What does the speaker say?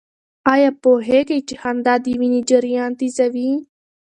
آیا پوهېږئ چې خندا د وینې جریان تېزوي؟